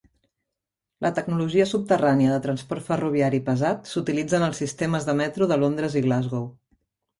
La tecnologia subterrània de transport ferroviari pesat s'utilitza en els sistemes de metro de Londres i Glasgow.